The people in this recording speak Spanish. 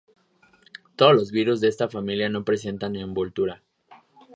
Todos los virus de esta familia no presentan envoltura.